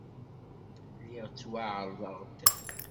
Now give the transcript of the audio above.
Lliɣ ttwaɛerḍeɣ-d.